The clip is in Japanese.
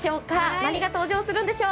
何が登場するんでしょう。